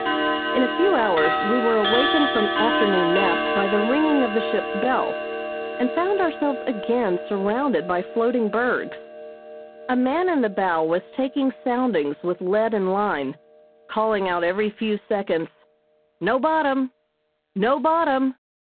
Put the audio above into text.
In a few hours we were awakened from afternoon naps by the ringing of the ship's bell and found ourselves again surrounded by floating bergs. A man in the bow was taking soundings with lead and line, calling out every few seconds. "No bottom! No bottom!"